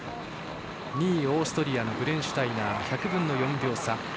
２位、オーストリアのブレンシュタイナー１００分の４秒差。